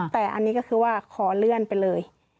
แต่อันนี้ก็คือว่าขอเลื่อนไปเลย